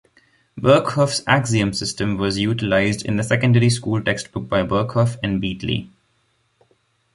Birkhoff's axiom system was utilized in the secondary-school textbook by Birkhoff and Beatley.